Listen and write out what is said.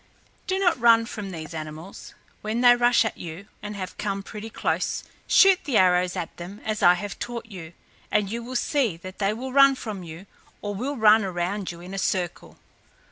Do not run from these animals. When they rush at you, and have come pretty close, shoot the arrows at them as I have taught you, and you will see that they will run from you or will run around you in a circle."